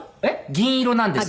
銀色なんです。